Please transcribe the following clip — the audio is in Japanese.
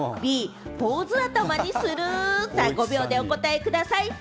５秒でお答えください。